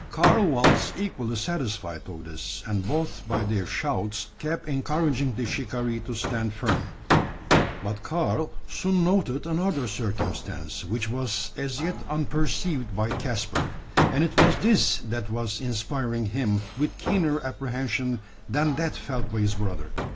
Karl was equally satisfied of this; and both by their shouts kept encouraging the shikaree to stand firm. But Karl soon noted another circumstance, which was as yet unperceived by Caspar, and it was this that was inspiring him with keener apprehension than that felt by his brother.